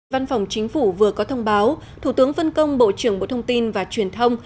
văn phòng chính phủ vừa có thông báo thủ tướng vân công bộ trưởng bộ thông tin và truyền thông